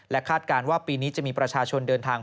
คาดการณ์ว่าปีนี้จะมีประชาชนเดินทาง